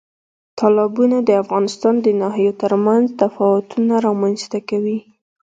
تالابونه د افغانستان د ناحیو ترمنځ تفاوتونه رامنځ ته کوي.